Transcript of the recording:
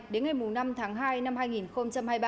đến ngày năm tháng hai năm hai nghìn hai mươi ba